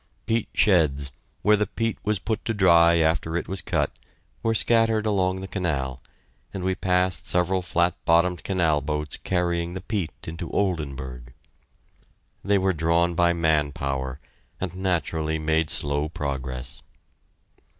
Peat sheds, where the peat was put to dry after it was cut, were scattered along the canal, and we passed several flat bottomed canal boats carrying the peat into Oldenburg. They were drawn by man power, and naturally made slow progress.